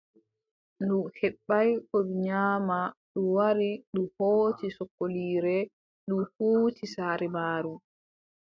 Ndu heɓaay ko ndu nyaama, ndu wari, ndu hooci sokoliire, ndu huuci saare maaru.